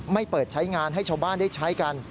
เปิดใช้งานให้ชาวบ้านได้ใช้กัน